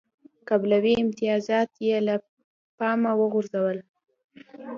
قبیلوي امتیازات یې له پامه وغورځول.